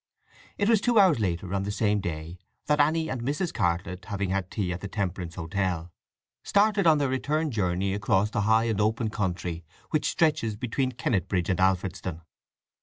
It was two hours later on the same day that Anny and Mrs. Cartlett, having had tea at the Temperance Hotel, started on their return journey across the high and open country which stretches between Kennetbridge and Alfredston.